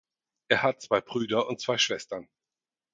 Er hat zwei Brüder und zwei Schwestern.